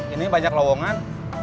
ini banyak lowongan